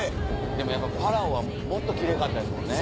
でもやっぱパラオはもっと奇麗かったですもんね。